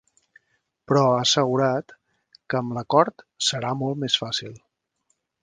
Però ha assegurat que amb l’acord “serà molt més fàcil”.